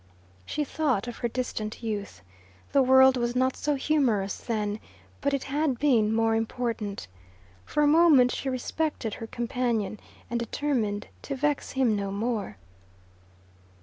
She thought of her distant youth. The world was not so humorous then, but it had been more important. For a moment she respected her companion, and determined to vex him no more.